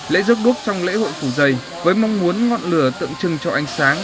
lễ rước đuốc trong lễ hội phủ dây với mong muốn ngọn lửa tượng trưng cho ánh sáng